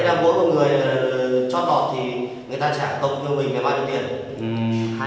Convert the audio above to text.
bảy năm mỗi một người cho tọt thì người ta trả tổng nhiêu bình với bao nhiêu tiền